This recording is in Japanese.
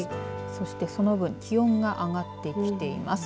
そしてその分気温が上がってきています。